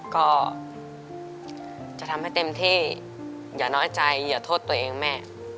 ก็จะทำให้เต็มที่อย่าน้อยใจอย่าโทษตัวเองแม่